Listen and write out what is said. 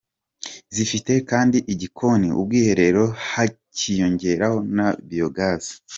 Zifite kandi igikoni, ubwiherero hakiyongeraho na biyogazi.